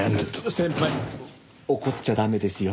先輩怒っちゃ駄目ですよ。